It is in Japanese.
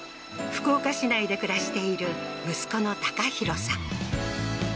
福岡市内で暮らしている息子の隆浩さん